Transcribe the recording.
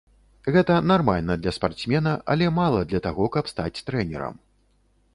Гэта нармальна для спартсмена, але мала для таго, каб стаць трэнерам.